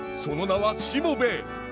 その名は「しもべえ」！